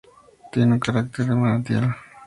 Tiene un carácter de manantial.